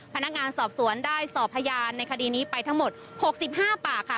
พนักงานสอบสวนได้สอบพยานในคดีนี้ไปทั้งหมด๖๕ปากค่ะ